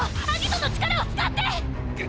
顎の力を使って！！